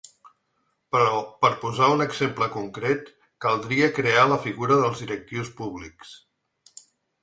Però, per posar un exemple concret, caldria crear la figura dels directius públics.